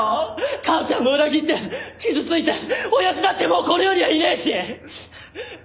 母ちゃんも裏切って傷ついて親父だってもうこの世にはいねえし！